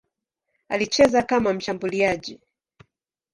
Alicheza kama mshambuliaji.